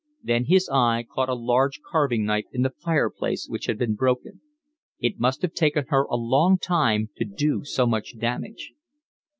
Then his eye caught a large carving knife in the fireplace which had been broken. It must have taken her a long time to do so much damage.